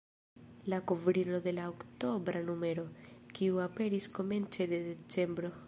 La kovrilo de la oktobra numero, kiu aperis komence de decembro.